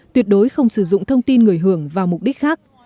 tuyệt đối không sử dụng thông tin người hưởng vào mục đích khác